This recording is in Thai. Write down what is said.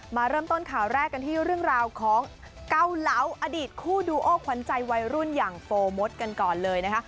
มาเริ่มต้นข่าวแรกกันที่เรื่องราวของเกาเหลาอดีตคู่ดูโอขวัญใจวัยรุ่นอย่างโฟมดกันก่อนเลยนะคะ